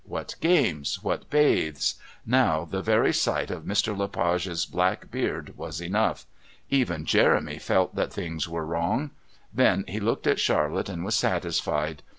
What games! What bathes? Now the very sight of Mr. Le Page's black beard was enough. Even Jeremy felt that things were wrong. Then he looked at Charlotte and was satisfied.